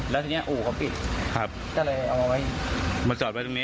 แล้วทีนี้อู่เขาปิดครับก็เลยเอาไว้มาจอดไว้ตรงนี้